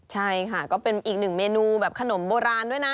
ใช่ค่ะก็เป็นอีกหนึ่งเมนูแบบขนมโบราณด้วยนะ